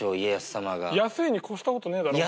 安いに越したことねえだろ。